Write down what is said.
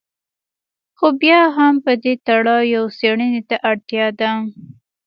خو بیا هم په دې تړاو یوې څېړنې ته اړتیا ده.